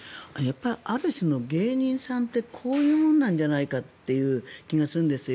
ある種の芸人さんってこういうものなんじゃないかという気がするんですよ。